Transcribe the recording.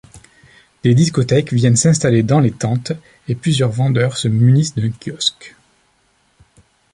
Des discothèques viennent s'installer dans les tentes et plusieurs vendeurs se munissent d'un kiosque.